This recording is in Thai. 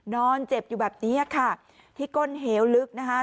นอนเจ็บอยู่แบบนี้ค่ะที่ก้นเหวลึกนะคะ